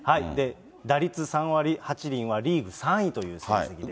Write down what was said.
打率３割８厘はリーグ３位という成績です。